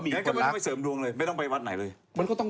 บ๊วยบ๊วยบ๊วยบ๊วยบ๊วยบ๊วยบ๊วยอเจมส์ฟันทงก็คือดีที่สุดแน่นอน